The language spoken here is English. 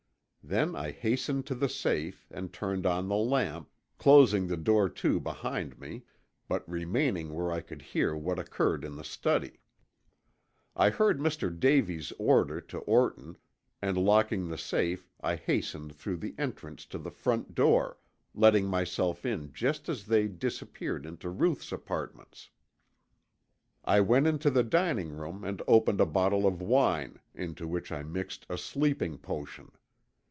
Then I hastened to the safe and turned on the lamp, closing the door to behind me, but remaining where I could hear what occurred in the study. "I heard Mr. Davies' order to Orton, and locking the safe I hastened through the entrance to the front door, letting myself in just as they disappeared into Ruth's apartments. I went into the dining room and opened a bottle of wine, into which I mixed a sleeping potion.